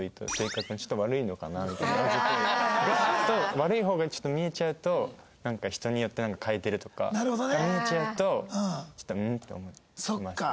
悪い方がちょっと見えちゃうとなんか人によって変えてるとかが見えちゃうとちょっと「ん？」と思いますね。